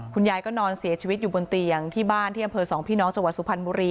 คุณยายก็นอนเสียชีวิตอยู่บนเตียงที่บ้านที่อำเภอสองพี่น้องจังหวัดสุพรรณบุรี